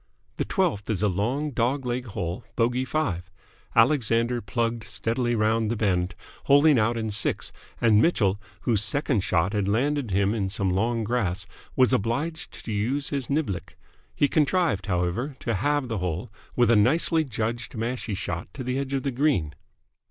The twelfth is a long, dog leg hole, bogey five. Alexander plugged steadily round the bend, holing out in six, and Mitchell, whose second shot had landed him in some long grass, was obliged to use his niblick. He contrived, however, to halve the hole with a nicely judged mashie shot to the edge of the green.